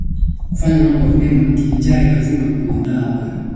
Kufanya mambo mema kivinjari lazima kuandaa habari